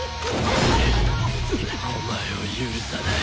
お前を許さない。